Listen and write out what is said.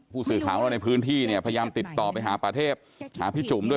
ผู้สื่อข่าวของเราในพื้นที่เนี่ยพยายามติดต่อไปหาป่าเทพหาพี่จุ๋มด้วย